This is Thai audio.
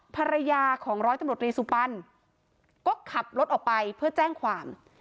ภรรยาของร้อยตำรวจรีสุปันก็ขับรถออกไปเพื่อแจ้งความ